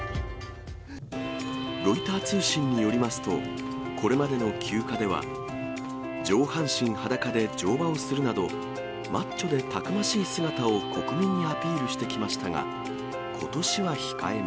ロイター通信によりますと、これまでの休暇では、上半身裸で乗馬をするなど、マッチョでたくましい姿を国民にアピールしてきましたが、ことしは控えめ。